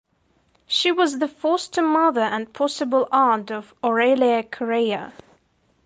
She was the foster mother and possible aunt of Aurelia Correia.